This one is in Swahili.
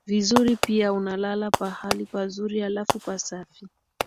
vizuri pia unalala pahali pazuri halafu pasafi